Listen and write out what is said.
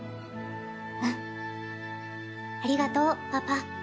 うんありがとうパパ。